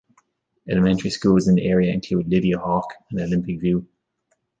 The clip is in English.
Elementary schools in the area include Lydia Hawk and Olympic View.